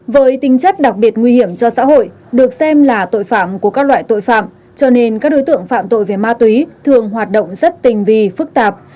với tinh chất đặc biệt nguy hiểm cho xã hội được xem là tội phạm của các loại tội phạm cho nên các đối tượng phạm tội về ma túy thường hoạt động rất tình vi phức tạp